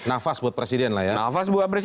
nafas buat presiden lah ya